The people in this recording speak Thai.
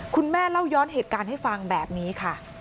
เล่าย้อนเหตุการณ์ให้ฟังแบบนี้ค่ะ